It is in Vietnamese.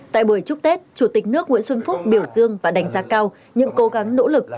tại buổi chúc tết chủ tịch nước nguyễn xuân phúc biểu dương và đánh giá cao những cố gắng nỗ lực